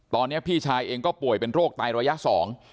ตอนนี้พี่ชายเองก็ป่วยเป็นโรคไตระยะสอง